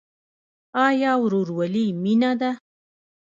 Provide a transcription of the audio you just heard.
آیا ورورولي مینه ده؟